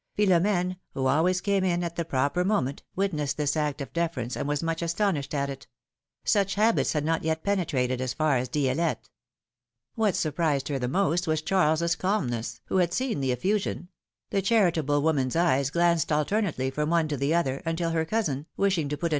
Philomene, who always came in at the proper moment, witnessed this act of deference and was much astonished at it; such habits had not yet penetrated as far as Di^lette. What surprised her the most was Charles' calmness, who had seen the effusion ; the charitable woman's eyes glanced alternately from one to the other, until her cousin, wishing to put an.